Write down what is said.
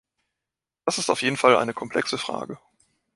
Das ist auf jeden Fall eine komplexe Frage.